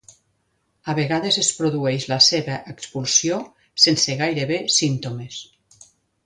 A vegades es produeix la seva expulsió sense gairebé símptomes.